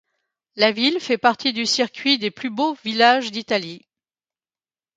La ville fait partie du circuit des plus beaux villages d'Italie.